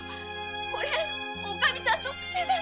これおかみさんの癖なの。